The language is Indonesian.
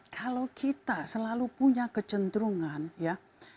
kalau kita selalu punya kecenderungan ya